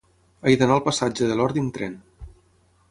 He d'anar al passatge de l'Ordi amb tren.